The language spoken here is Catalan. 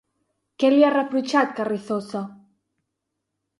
Què li ha reprotxat Carrizosa?